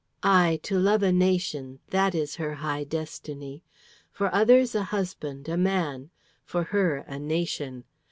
"Aye, to love a nation, that is her high destiny. For others, a husband, a man; for her, a nation.